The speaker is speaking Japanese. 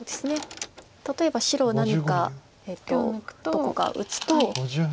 例えば白何かどこか打つと。